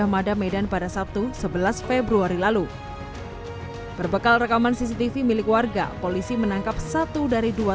mada medan pada sabtu sebelas februari lalu berbekal rekaman cctv milik warga polisi menangkap satu dari dua